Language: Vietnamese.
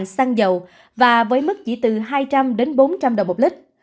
xăng dầu và với mức chỉ từ hai trăm linh đến bốn trăm linh đồng một lít